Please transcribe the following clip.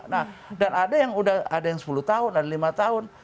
nah dan ada yang udah ada yang sepuluh tahun ada yang lima tahun